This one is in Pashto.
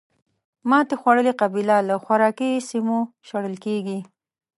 ماتې خوړلې قبیله له خوراکي سیمو شړل کېږي.